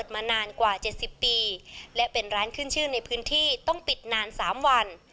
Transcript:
วันนี้เป็นร้านขึ้นชื่อในพื้นที่ต้องปิดนาน๓วัน